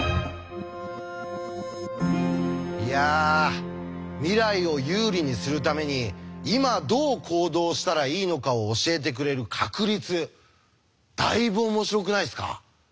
いや未来を有利にするために今どう行動したらいいのかを教えてくれる確率。だいぶ面白くないですか？